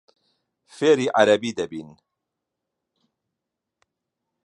فێری عەرەبی دەبین.